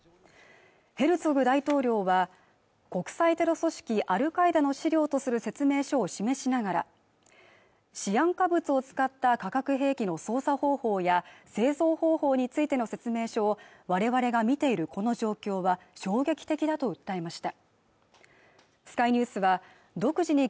ヘルツォグ大統領は国際テロ組織アルカイダの公式資料とする説明書を示しながらシアン化物を使った化学兵器の操作方法や製造方法についての説明書を我々が見ているこの状況は衝撃的だと訴えました